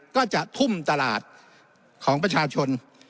ก็จะทุ่มตลาดของประชาชน